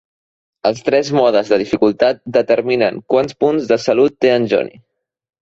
Els tres modes de dificultat determinen quants punts de salut té en Johnny.